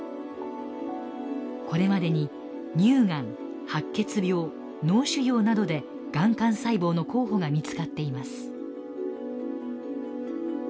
これまでに乳がん白血病脳腫瘍などでがん幹細胞の候補が見つかっています。